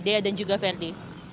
dea dan juga verdi